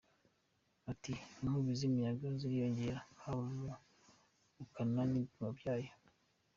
Ati “ Inkubi z’imiyaga ziriyongera haba mu bukana n’ibipimo byayo.